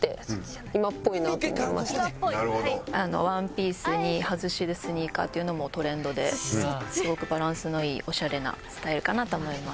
ワンピースにハズしでスニーカーっていうのもトレンドですごくバランスのいいオシャレなスタイルかなと思います。